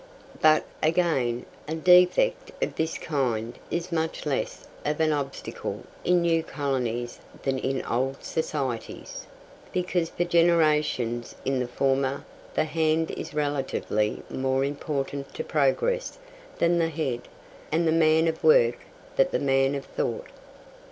But, again, a defect of this kind is much less of an obstacle in new colonies than in old societies, because for generations in the former the hand is relatively more important to progress than the head, and the man of work than the man of thought.